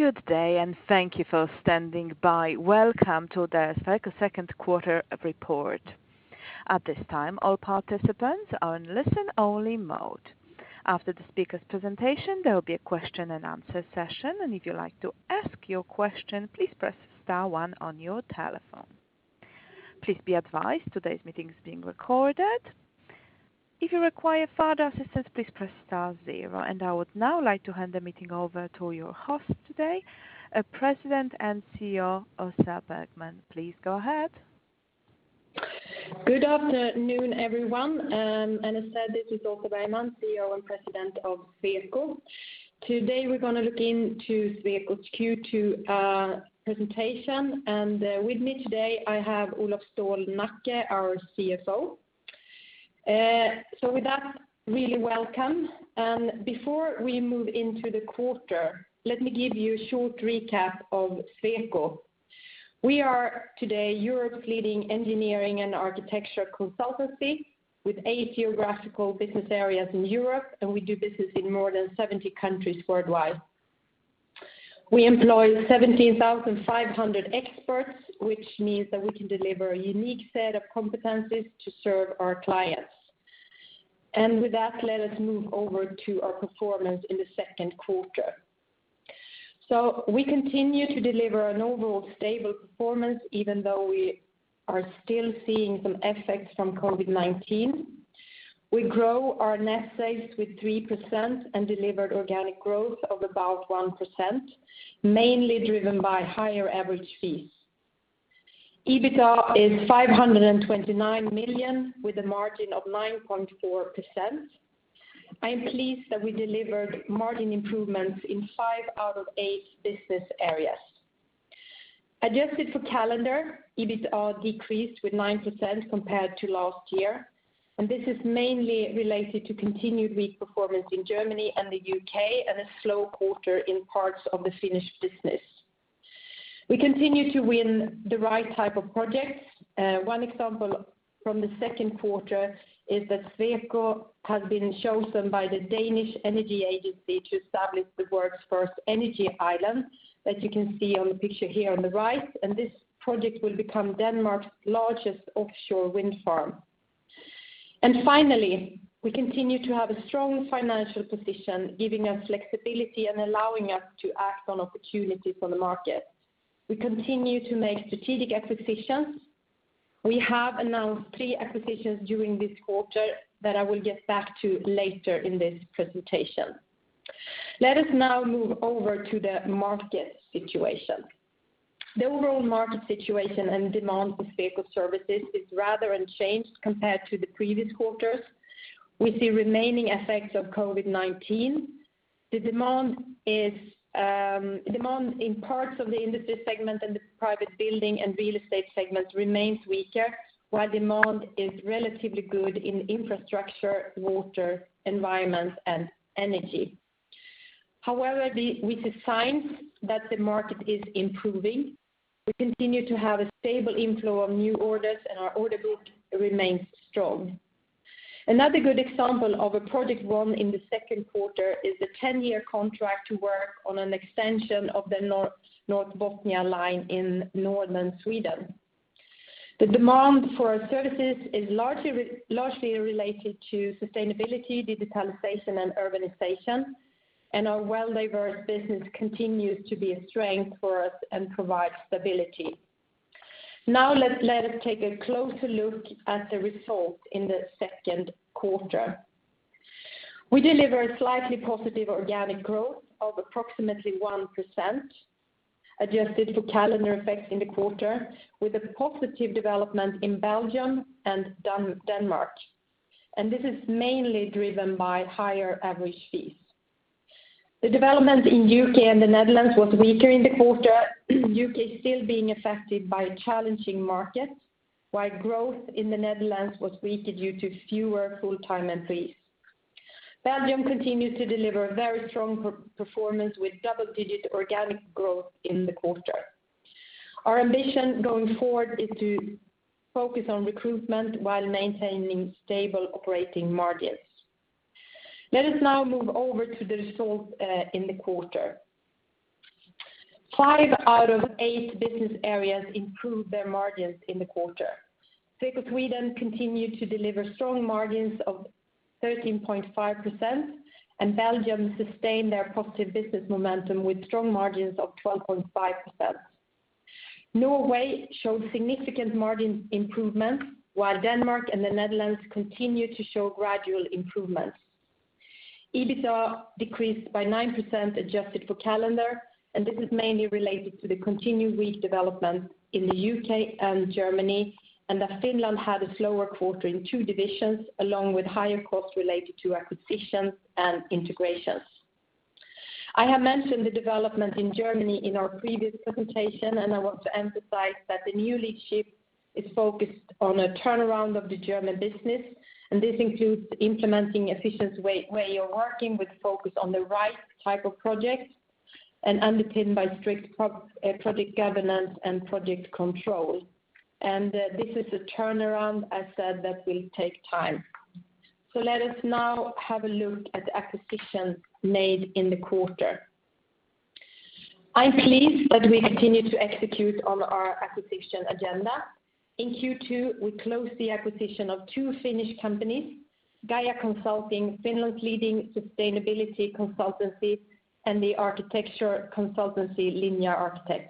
Good day. Thank you for standing by. Welcome to the Sweco second quarter report. At this time, all participants are in listen-only mode. After the speaker's presentation, there will be a question-and-answer session. If you'd like to ask your question, please press star one on your telephone. Please be advised today's meeting is being recorded. If you require further assistance, please press star zero. I would now like to hand the meeting over to your host today, President and CEO, Åsa Bergman. Please go ahead. Good afternoon, everyone. As said, this is Åsa Bergman, CEO and President of Sweco. Today, we're going to look into Sweco's Q2 presentation. With me today, I have Olof Stålnacke, our CFO. With that, really welcome. Before we move into the quarter, let me give you a short recap of Sweco. We are today Europe's leading engineering and architecture consultancy with eight geographical business areas in Europe, and we do business in more than 70 countries worldwide. We employ 17,500 experts, which means that we can deliver a unique set of competencies to serve our clients. With that, let us move over to our performance in the second quarter. We continue to deliver an overall stable performance, even though we are still seeing some effects from COVID-19. We grow our net sales with 3% and delivered organic growth of about 1%, mainly driven by higher average fees. EBITDA is 529 million with a margin of 9.4%. I am pleased that we delivered margin improvements in five out of eight business areas. Adjusted for calendar, EBITDA decreased with 9% compared to last year, and this is mainly related to continued weak performance in Germany and the U.K. and a slow quarter in parts of the Finnish business. We continue to win the right type of projects. One example from the second quarter is that Sweco has been chosen by the Danish Energy Agency to establish the world's first energy island, as you can see on the picture here on the right. This project will become Denmark's largest offshore wind farm. Finally, we continue to have a strong financial position, giving us flexibility and allowing us to act on opportunities on the market. We continue to make strategic acquisitions. We have announced three acquisitions during this quarter that I will get back to later in this presentation. Let us now move over to the market situation. The overall market situation and demand for Sweco services is rather unchanged compared to the previous quarters, with the remaining effects of COVID-19. The demand in parts of the Industry segment and the Private building and Real estate segments remains weaker, while demand is relatively good in Infrastructure, Water, Environment, and Energy. However, with the signs that the market is improving, we continue to have a stable inflow of new orders, and our order book remains strong. Another good example of a project won in the second quarter is a 10-year contract to work on an extension of the North Bothnia Line in Northern Sweden. The demand for our services is largely related to sustainability, digitalization, and urbanization, and our well-diverse business continues to be a strength for us and provides stability. Now let us take a closer look at the results in the second quarter. We deliver a slightly positive organic growth of approximately 1%, adjusted for calendar effects in the quarter, with a positive development in Belgium and Denmark. This is mainly driven by higher average fees. The development in U.K. and the Netherlands was weaker in the quarter, U.K. still being affected by challenging markets, while growth in the Netherlands was weaker due to fewer full-time employees. Belgium continued to deliver a very strong performance with double-digit organic growth in the quarter. Our ambition going forward is to focus on recruitment while maintaining stable operating margins. Let us now move over to the results in the quarter. Five out of eight business areas improved their margins in the quarter. Sweco Sweden continued to deliver strong margins of 13.5%, and Belgium sustained their positive business momentum with strong margins of 12.5%. Norway showed significant margin improvements, while Denmark and the Netherlands continued to show gradual improvements. EBITDA decreased by 9%, adjusted for calendar, and this is mainly related to the continued weak development in the U.K. and Germany, and that Finland had a slower quarter in two divisions, along with higher costs related to acquisitions and integrations. I have mentioned the development in Germany in our previous presentation, and I want to emphasize that the new leadership is focused on a turnaround of the German business, and this includes implementing efficient ways of working with focus on the right type of projects and underpinned by strict project governance and project control. This is a turnaround, as said, that will take time. Let us now have a look at the acquisitions made in the quarter. I'm pleased that we continue to execute on our acquisition agenda. In Q2, we closed the acquisition of two Finnish companies, Gaia Consulting, Finland's leading sustainability consultancy, and the architecture consultancy, Linja Arkkitehdit.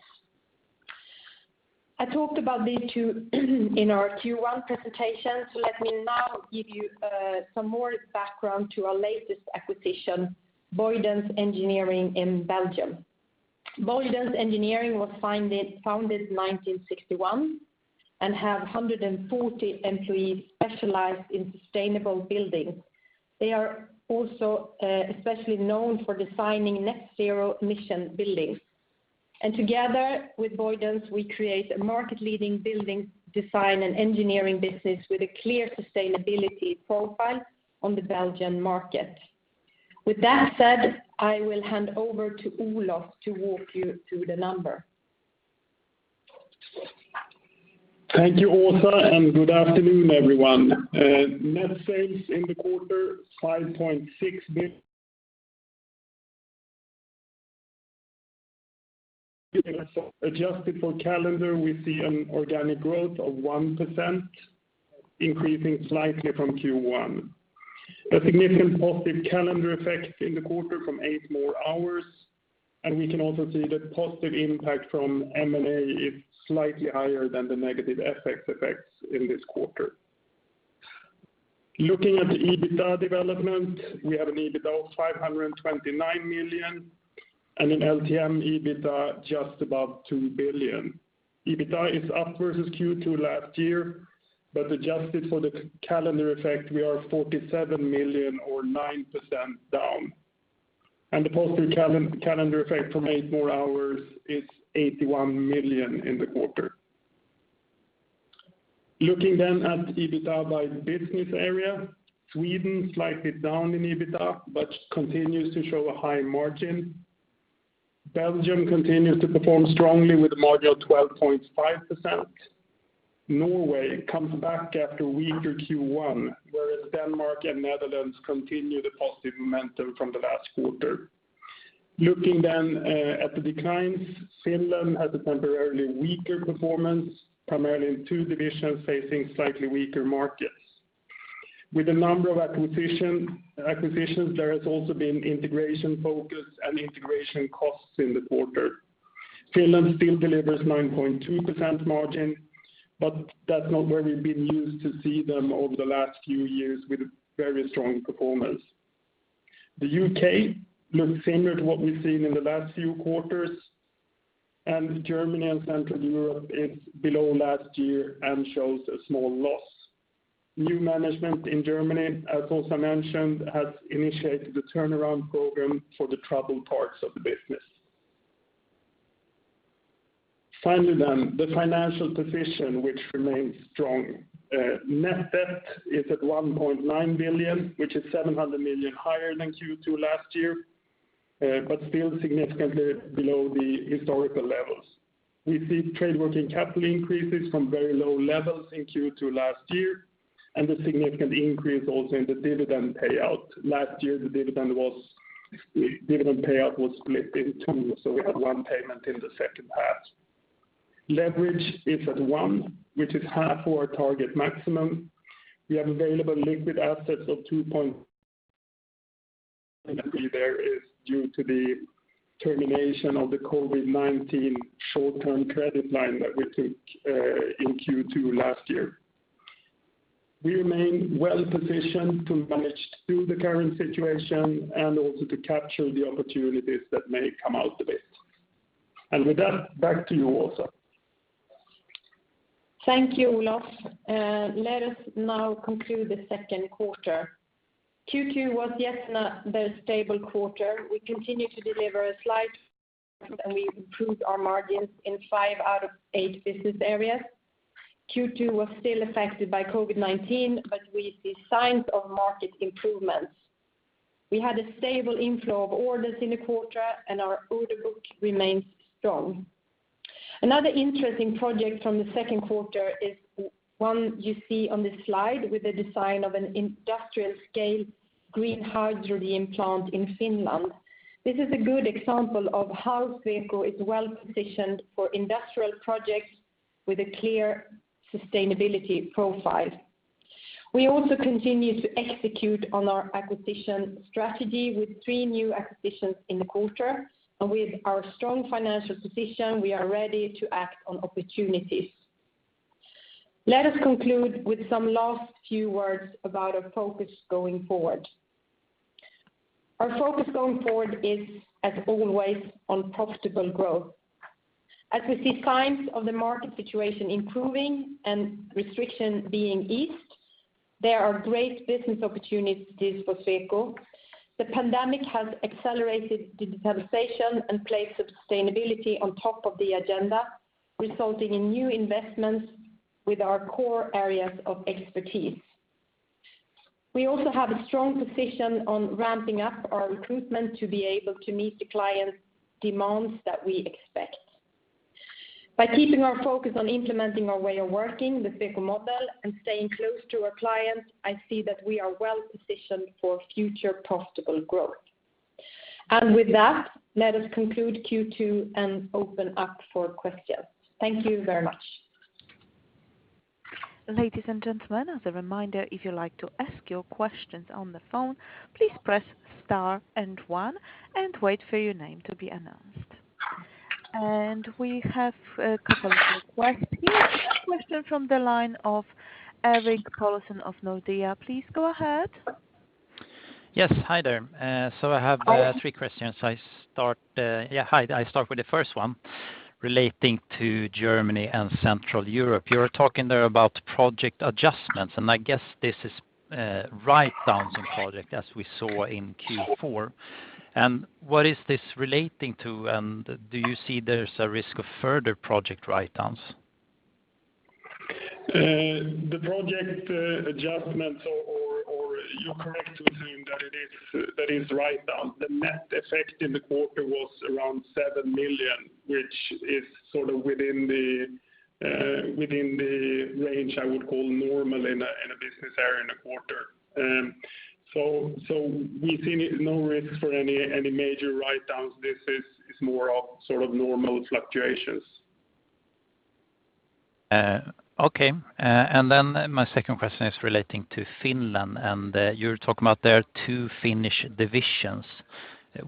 I talked about these two in our Q1 presentation, so let me now give you some more background to our latest acquisition, Boydens Engineering in Belgium. Boydens Engineering was founded in 1961 and have 140 employees specialized in sustainable building. They are also especially known for designing net-zero emission buildings. Together with Boydens, we create a market-leading building design and engineering business with a clear sustainability profile on the Belgian market. With that said, I will hand over to Olof to walk you through the numbers. Thank you, Åsa, and good afternoon, everyone. Net sales in the quarter, 5.6. Adjusted for calendar, we see an organic growth of 1%, increasing slightly from Q1. A significant positive calendar effect in the quarter from eight more hours, and we can also see the positive impact from M&A is slightly higher than the negative FX effects in this quarter. Looking at the EBITDA development, we have an EBITDA of 529 million and an LTM EBITDA just above 2 billion. EBITDA is up versus Q2 last year, but adjusted for the calendar effect, we are 47 million or 9% down. The positive calendar effect from eight more hours is 81 million in the quarter. Looking at EBITDA by business area, Sweden slightly down in EBITDA, but continues to show a high margin. Belgium continues to perform strongly with a margin of 12.5%. Norway comes back after a weaker Q1, whereas Denmark and Netherlands continue the positive momentum from the last quarter. Looking then at the declines, Finland has a temporarily weaker performance, primarily in two divisions facing slightly weaker markets. With a number of acquisitions, there has also been integration focus and integration costs in the quarter. Finland still delivers 9.2% margin, but that's not where we've been used to see them over the last few years with very strong performance. The U.K. looks similar to what we've seen in the last few quarters, and Germany and Central Europe is below last year and shows a small loss. New management in Germany, as Åsa mentioned, has initiated the turnaround program for the troubled parts of the business. Finally, then, the financial position, which remains strong. Net debt is at 1.9 billion, which is 700 million higher than Q2 last year, still significantly below the historical levels. We see trade working capital increases from very low levels in Q2 last year, and a significant increase also in the dividend payout. Last year, the dividend payout was split in two, we had one payment in the second half. Leverage is at 1x, which is half our target maximum. We have available liquid assets of two point. The leverage there is due to the termination of the COVID-19 short-term credit line that we took in Q2 last year. We remain well-positioned to manage through the current situation and also to capture the opportunities that may come out of it. With that, back to you, Åsa. Thank you, Olof. Let us now conclude the second quarter. Q2 was yet another stable quarter. We continue to deliver a slight, and we improved our margins in five out of eight business areas. Q2 was still affected by COVID-19, but we see signs of market improvements. We had a stable inflow of orders in the quarter, and our order book remains strong. Another interesting project from the second quarter is one you see on the slide with the design of an industrial-scale green hydrogen plant in Finland. This is a good example of how Sweco is well-positioned for industrial projects with a clear sustainability profile. We also continue to execute on our acquisition strategy with three new acquisitions in the quarter. With our strong financial position, we are ready to act on opportunities. Let us conclude with some last few words about our focus going forward. Our focus going forward is, as always, on profitable growth. We see signs of the market situation improving and restrictions being eased, there are great business opportunities for Sweco. The pandemic has accelerated digitalization and placed sustainability on top of the agenda, resulting in new investments with our core areas of expertise. We also have a strong position on ramping up our recruitment to be able to meet the clients' demands that we expect. By keeping our focus on implementing our way of working, the Sweco model, and staying close to our clients, I see that we are well-positioned for future profitable growth. With that, let us conclude Q2 and open up for questions. Thank you very much. Ladies and gentlemen, as a reminder, if you'd like to ask your questions on the phone, please press star and one and wait for your name to be announced. We have a couple of requests here. A question from the line of Erik Paulsson of Nordea. Please go ahead. Yes. Hi there. I have three questions. I start with the first one relating to Germany and Central Europe. You were talking there about project adjustments, and I guess this is write-downs in project as we saw in Q4. What is this relating to, and do you see there's a risk of further project write-downs? The project adjustments, or you're correct to assume that is write-down. The net effect in the quarter was around 7 million, which is within the range I would call normal in a business area in a quarter. We see no risk for any major write-downs. This is more of normal fluctuations. Okay. My second question is relating to Finland, and you're talking about their two Finnish divisions.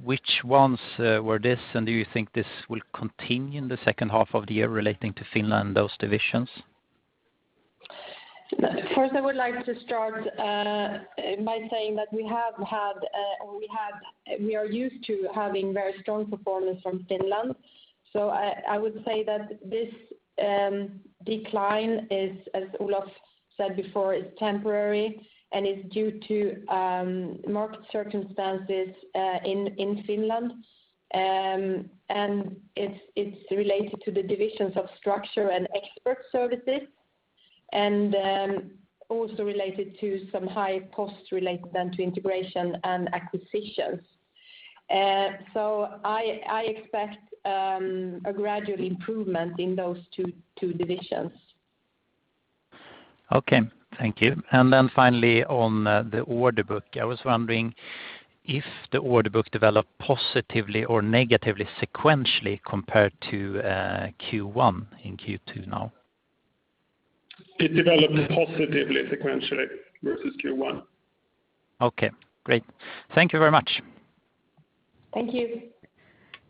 Which ones were this, and do you think this will continue in the second half of the year relating to Finland, those divisions? First, I would like to start by saying that we are used to having very strong performance from Finland. I would say that this decline is, as Olof said before, temporary and is due to market circumstances in Finland. It's related to the divisions of structure and expert services, and also related to some high costs related then to integration and acquisitions. I expect a gradual improvement in those two divisions. Okay, thank you. Finally on the order book. I was wondering if the order book developed positively or negatively sequentially compared to Q1 in Q2 now. It developed positively sequentially versus Q1. Okay, great. Thank you very much. Thank you.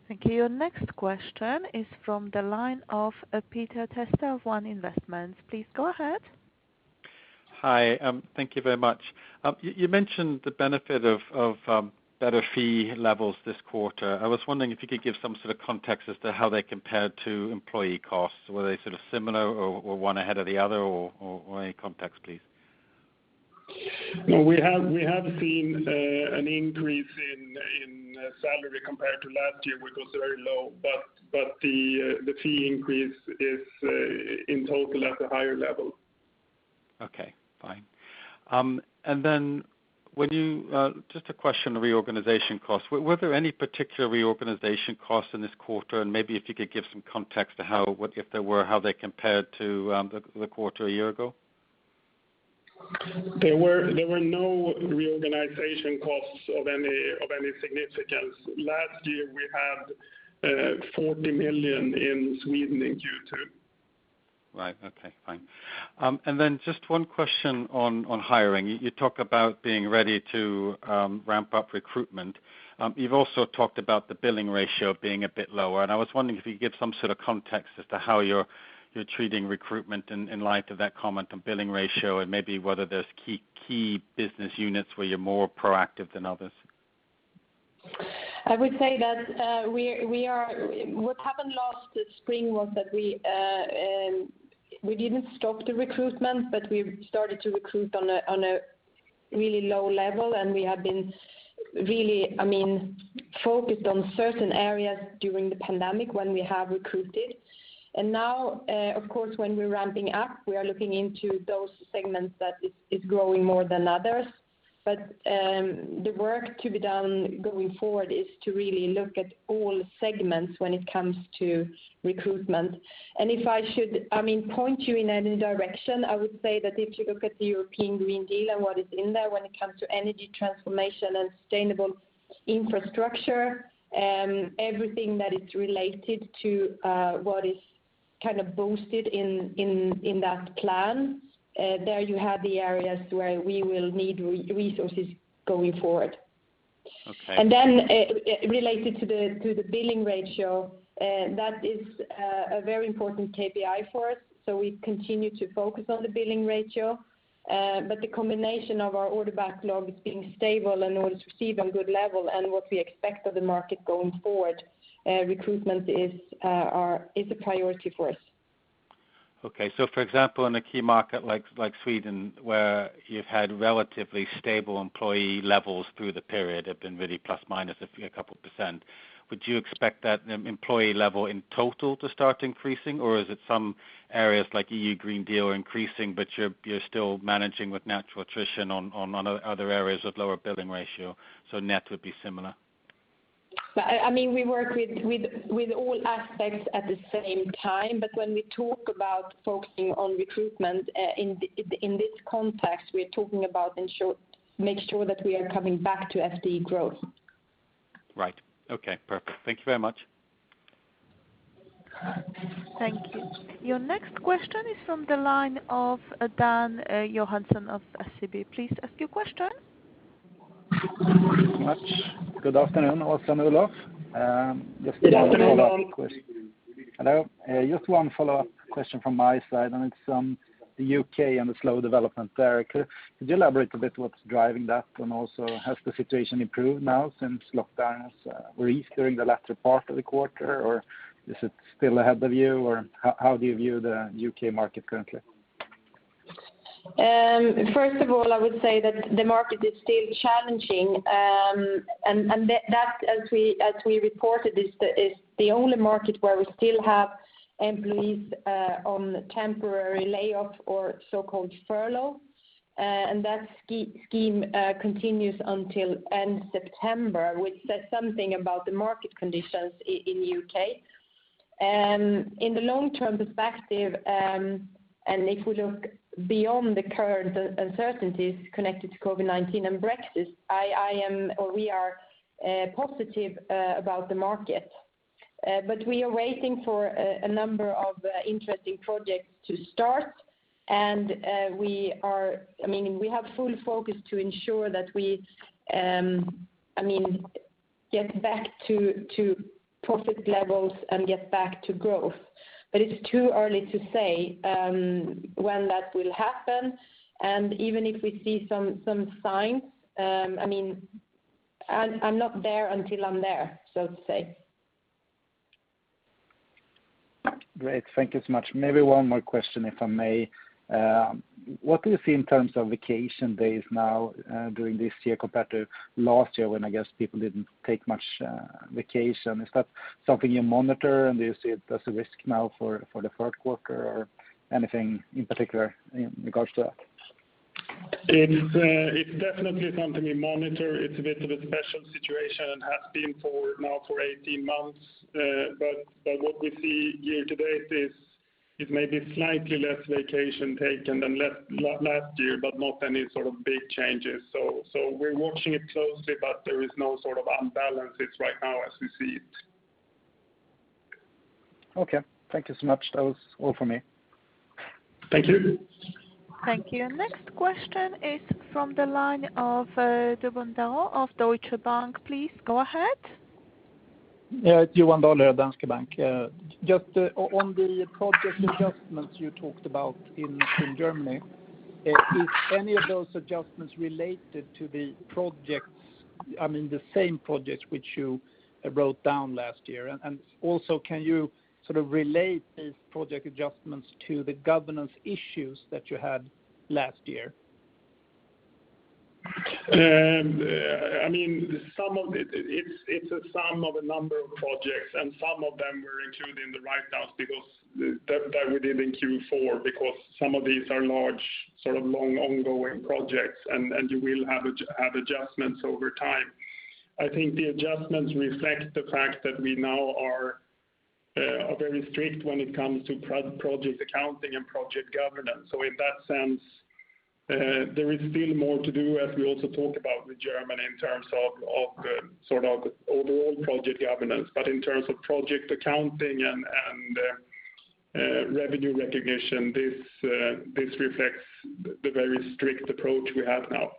Thank you. Your next question is from the line of Peter Testa of ONE Investments. Please go ahead. Hi. Thank you very much. You mentioned the benefit of better fee levels this quarter. I was wondering if you could give some sort of context as to how they compared to employee costs. Were they similar or one ahead of the other or any context, please? No, we have seen an increase in salary compared to last year, which was very low, but the fee increase is in total at a higher level. Okay, fine. Just a question on reorganization costs. Were there any particular reorganization costs in this quarter? Maybe if you could give some context to how, if there were, how they compared to the quarter a year ago. There were no reorganization costs of any significance. Last year, we had 40 million in Sweden in Q2. Right. Okay, fine. Just one question on hiring. You talk about being ready to ramp up recruitment. You've also talked about the billing ratio being a bit lower. I was wondering if you could give some sort of context as to how you're treating recruitment in light of that comment on billing ratio and maybe whether there's key business units where you're more proactive than others. I would say that what happened last spring was that we didn't stop the recruitment, but we started to recruit on a really low level, and we have been really focused on certain areas during the pandemic when we have recruited. Now, of course, when we're ramping up, we are looking into those segments that is growing more than others. The work to be done going forward is to really look at all segments when it comes to recruitment. If I should point you in any direction, I would say that if you look at the European Green Deal and what is in there when it comes to energy transformation and sustainable infrastructure, everything that is related to what is kind of boosted in that plan, there you have the areas where we will need resources going forward. Okay. Then related to the billing ratio, that is a very important KPI for us. We continue to focus on the billing ratio. The combination of our order backlog is being stable and orders received on good level and what we expect of the market going forward, recruitment is a priority for us. Okay. For example, in a key market like Sweden, where you've had relatively stable employee levels through the period, have been really plus minus a couple percent, would you expect that employee level in total to start increasing? Is it some areas like EU Green Deal are increasing, but you're still managing with natural attrition on other areas of lower billing ratio, so net would be similar? We work with all aspects at the same time, but when we talk about focusing on recruitment in this context, we are talking about making sure that we are coming back to FTE growth. Right. Okay, perfect. Thank you very much. Thank you. Your next question is from the line of Dan Johansson of SEB. Please ask your question. Thank you so much. Good afternoon, Åsa and Olof. Good afternoon. Hello. Just one follow-up question from my side, it's the U.K. and the slow development there. Could you elaborate a bit what's driving that? Also, has the situation improved now since lockdowns were eased during the latter part of the quarter, or is it still ahead of you, or how do you view the U.K. market currently? First of all, I would say that the market is still challenging. That, as we reported, is the only market where we still have employees on temporary layoff or so-called furlough. That scheme continues until end September, which says something about the market conditions in the U.K. In the long-term perspective, and if we look beyond the current uncertainties connected to COVID-19 and Brexit, we are positive about the market. We are waiting for a number of interesting projects to start. We have full focus to ensure that we get back to profit levels and get back to growth. It's too early to say when that will happen. Even if we see some signs, I'm not there until I'm there, so to say. Great. Thank you so much. Maybe one more question, if I may. What do you see in terms of vacation days now during this year compared to last year when, I guess, people didn't take much vacation? Is that something you monitor, and do you see it as a risk now for the third quarter or anything in particular in regards to that? It's definitely something we monitor. It's a bit of a special situation and has been now for 18 months. What we see year to date is it may be slightly less vacation taken than last year, but not any sort of big changes. We're watching it closely, but there is no sort of imbalances right now as we see it. Okay. Thank you so much. That was all for me. Thank you. Thank you. Next question is from the line of Johan Dahl of Danske Bank. Please go ahead. Yeah, Johan Dahl of Danske Bank. Just on the project adjustments you talked about in Germany, is any of those adjustments related to the same projects which you wrote down last year? Also, can you relate these project adjustments to the governance issues that you had last year? It's a sum of a number of projects, and some of them were included in the write-downs that we did in Q4 because some of these are large, long ongoing projects, and you will have adjustments over time. I think the adjustments reflect the fact that we now are very strict when it comes to project accounting and project governance. In that sense, there is still more to do, as we also talk about with Germany, in terms of overall project governance. In terms of project accounting and revenue recognition, this reflects the very strict approach we have now.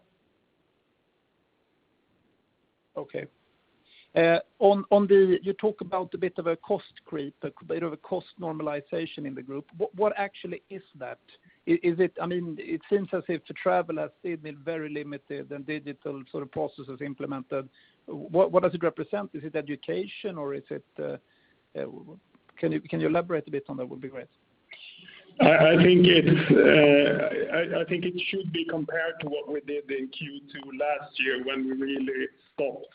You talk about a bit of a cost creep, a bit of a cost normalization in the group. What actually is that? It seems as if the travel has been very limited and digital processes implemented. What does it represent? Is it education? Can you elaborate a bit on that? Would be great. I think it should be compared to what we did in Q2 last year when we really stopped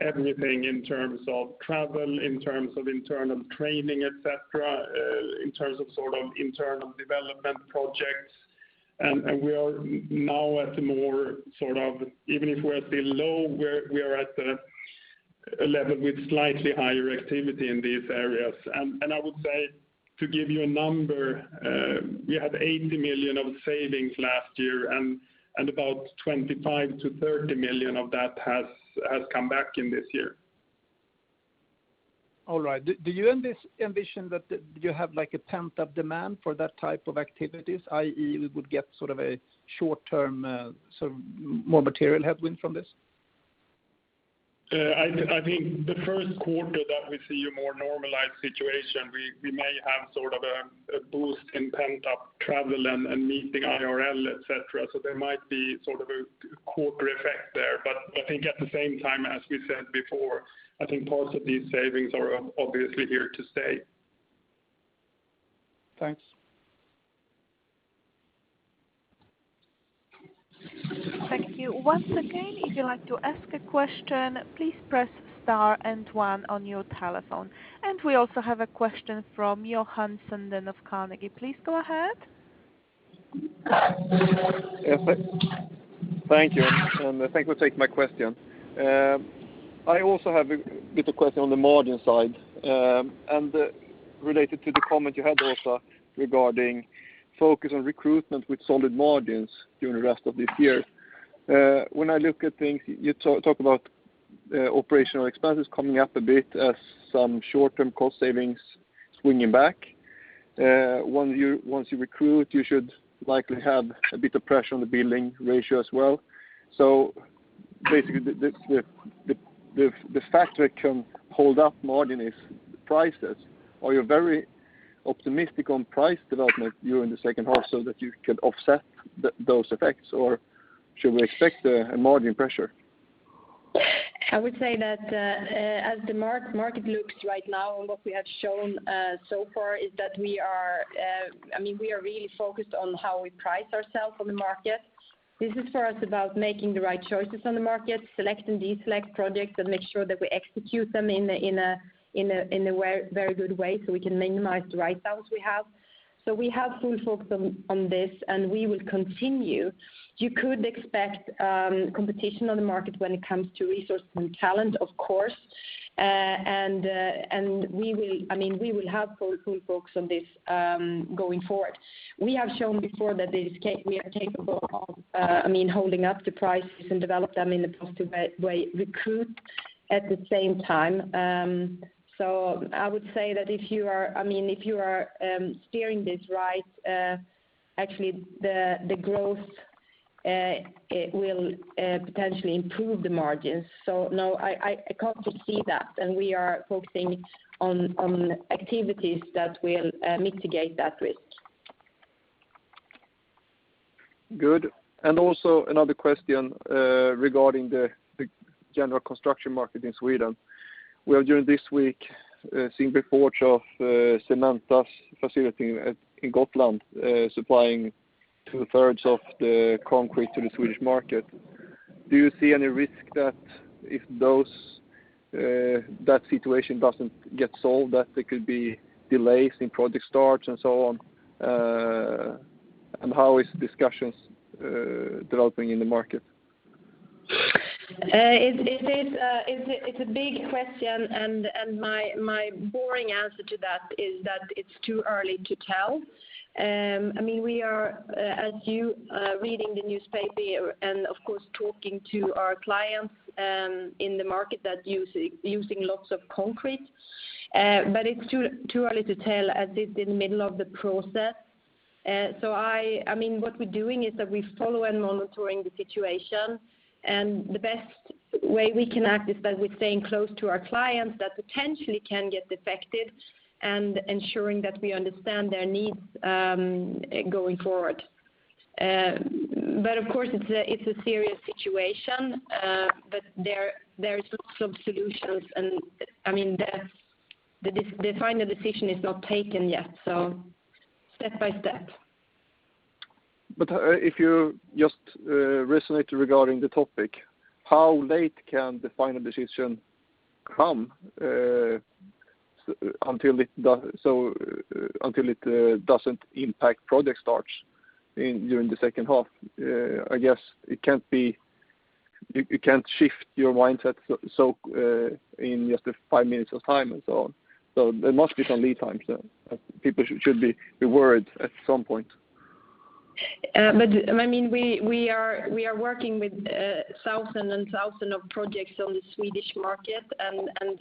everything in terms of travel, in terms of internal training, et cetera, in terms of internal development projects. We are now at a more, even if we are still low, we are at a level with slightly higher activity in these areas. I would say, to give you a number, we had 80 million of savings last year, and about 25 million-30 million of that has come back in this year. All right. Do you envision that you have a pent-up demand for that type of activities, i.e., we would get a short-term more material headwind from this? I think the first quarter that we see a more normalized situation, we may have a boost in pent-up travel and meeting IRL, et cetera. There might be a quarter effect there. I think at the same time, as we said before, I think parts of these savings are obviously here to stay. Thanks. Thank you. Once again, if you'd like to ask a question, please press star and one on your telephone. We also have a question from Johan Sundén of Carnegie. Please go ahead. Thank you. Thanks for taking my question. I also have a bit of a question on the margin side, related to the comment you had, Åsa, regarding focus on recruitment with solid margins during the rest of this year. When I look at things, you talk about operational expenses coming up a bit as some short-term cost savings swinging back. Once you recruit, you should likely have a bit of pressure on the billing ratio as well. Basically, the factor can hold up margin is prices, or you're very optimistic on price development during the second half so that you can offset those effects. Should we expect a margin pressure? I would say that as the market looks right now, and what we have shown so far is that we are really focused on how we price ourselves on the market. This is for us about making the right choices on the market, select and deselect projects, and make sure that we execute them in a very good way so we can minimize the write-downs we have. We have full focus on this, and we will continue. You could expect competition on the market when it comes to resource and talent, of course. We will have full focus on this going forward. We have shown before that we are capable of holding up the prices and develop them in a positive way, recruit at the same time. I would say that if you are steering this right, actually the growth will potentially improve the margins. No, I can't foresee that, and we are focusing on activities that will mitigate that risk. Good. Also another question regarding the general construction market in Sweden. We have during this week seen reports of Cementa's facility in Gotland supplying two-thirds of the concrete to the Swedish market. Do you see any risk that if that situation doesn't get solved, that there could be delays in project starts and so on? How is discussions developing in the market? It's a big question. My boring answer to that is that it's too early to tell. We are, as you, reading the newspaper and, of course, talking to our clients in the market that using lots of concrete. It's too early to tell as it's in the middle of the process. What we're doing is that we follow and monitoring the situation. The best way we can act is that we're staying close to our clients that potentially can get affected and ensuring that we understand their needs going forward. Of course, it's a serious situation. There's lots of solutions, and the final decision is not taken yet, so step by step. If you just resonate regarding the topic, how late can the final decision come until it doesn't impact project starts during the second half? I guess you can't shift your mindset in just five minutes of time and so on. So there must be some lead times that people should be worried at some point. We are working with thousands and thousands of projects on the Swedish market, and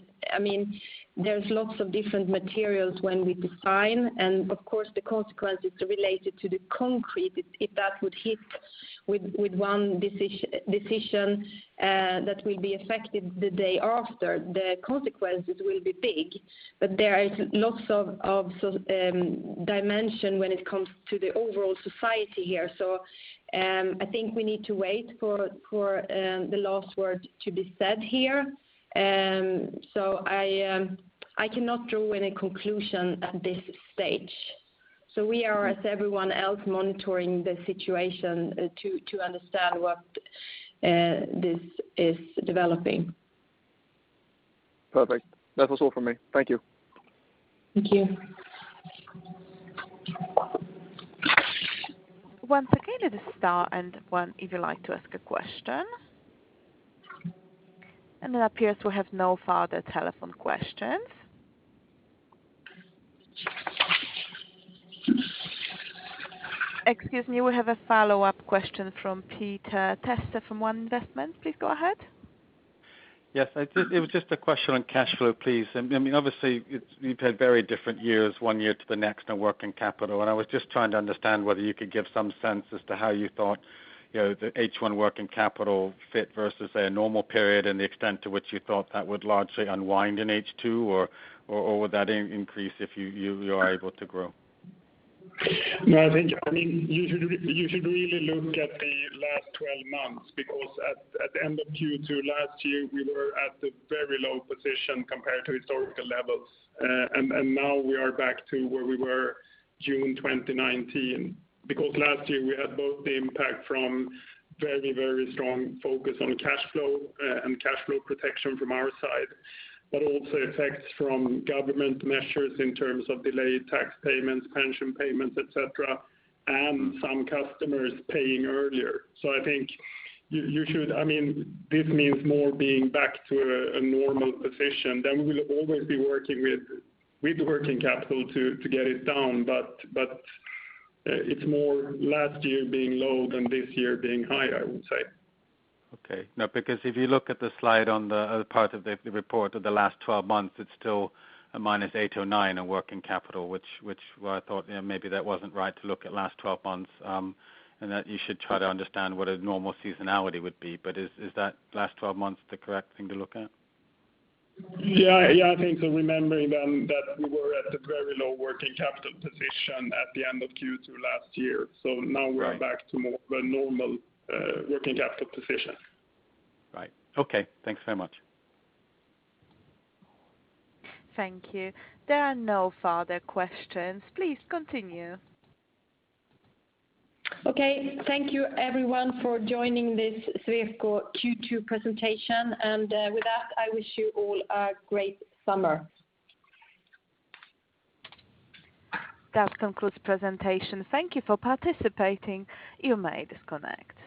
there's lots of different materials when we design, and of course, the consequences related to the concrete, if that would hit with one decision that will be affected the day after, the consequences will be big. There is lots of dimension when it comes to the overall society here. I think we need to wait for the last word to be said here. I cannot draw any conclusion at this stage. We are, as everyone else, monitoring the situation to understand what this is developing. Perfect. That was all from me. Thank you. Thank you. Once again, it is star and one if you'd like to ask a question. It appears we have no further telephone questions. Excuse me, we have a follow-up question from Peter Testa from ONE Investments. Please go ahead. Yes. It was just a question on cash flow, please. Obviously, you've had very different years, one year to the next on working capital, I was just trying to understand whether you could give some sense as to how you thought the H1 working capital fit versus a normal period and the extent to which you thought that would largely unwind in H2, or would that increase if you are able to grow? No, I think you should really look at the last 12 months because at the end of Q2 last year, we were at the very low position compared to historical levels. Now we are back to where we were June 2019. Last year we had both the impact from very strong focus on cash flow and cash flow protection from our side, but also effects from government measures in terms of delayed tax payments, pension payments, et cetera, and some customers paying earlier. I think this means more being back to a normal position. We will always be working with working capital to get it down. It's more last year being low than this year being high, I would say. Okay. No, if you look at the slide on the part of the report of the last 12 months, it's still a -8% or 9% in working capital, which I thought maybe that wasn't right to look at last 12 months, and that you should try to understand what a normal seasonality would be. Is that last 12 months the correct thing to look at? Yeah. I think remembering then that we were at the very low working capital position at the end of Q2 last year. Now we're back to more of a normal working capital position. Right. Okay. Thanks very much. Thank you. There are no further questions. Please continue. Okay. Thank you everyone for joining this Sweco Q2 presentation. With that, I wish you all a great summer. That concludes the presentation. Thank you for participating. You may disconnect.